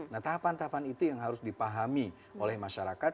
nah tahapan tahapan itu yang harus dipahami oleh masyarakat